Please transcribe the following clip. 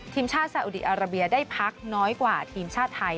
ทีมชาติสาอุดีอาราเบียได้พักน้อยกว่าทีมชาติไทย